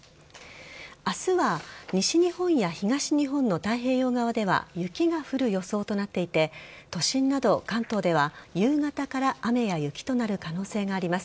明日は西日本や東日本の太平洋側では雪が降る予想となっていて都心など関東では夕方から雨や雪となる可能性があります。